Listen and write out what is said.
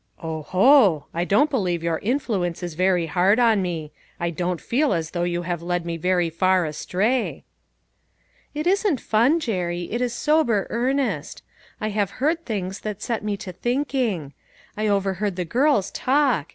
" Oh ho ! I don't believe your influence is very hard on me; I don't feel as though you had led me very far astray !" A BARGAIN AND A PROMISE. 171 "It isn't fun, Jerry, it is sober earnest. I have heard things said that set me to thinking. I overheard the girls talk!